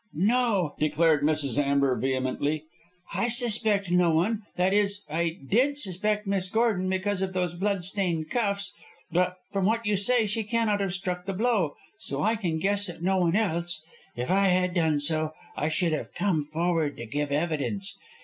"No," declared Mrs. Amber, vehemently. "I suspect no one that is, I did suspect Miss Gordon because of those blood stained cuffs. But from what you say she cannot have struck the blow, so I can guess at no one else. If I had done so I should have come forward to give evidence.